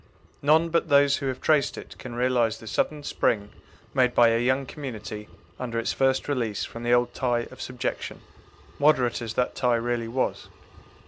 None but those who have traced it can realize the sudden spring made by a young community under its first release from the old tie of subjection, moderate as that tie really was.